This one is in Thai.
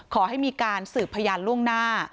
ขอให้มีการสืบพยานล่วงหน้า